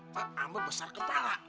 pak ambo besar kepala